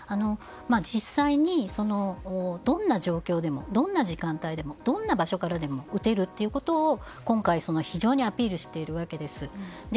実際にどんな状況でもどんな時間帯でもどんな場所からでも撃てることを今回、非常にアピールしているわけです。